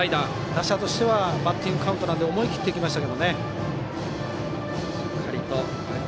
打者としてはバッティングカウントなので思い切っていきました。